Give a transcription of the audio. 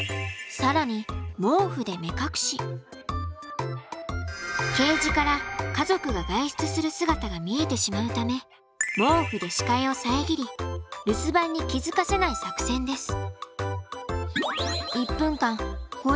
更にケージから家族が外出する姿が見えてしまうため毛布で視界を遮り留守番に気付かせない作戦です。